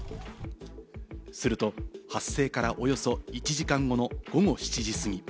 すると発生からおよそ１時間後の午後７時すぎ。